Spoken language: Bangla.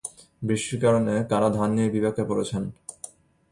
বৃষ্টির কারণে কারা ধান নিয়ে বিপাকে পড়েছেন?